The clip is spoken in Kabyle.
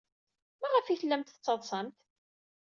Maɣef ay tellamt tettaḍsamt?